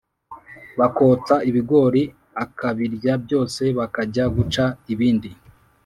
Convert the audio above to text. Bakotsa ibigori akabirya byose bakajya guca ibindi.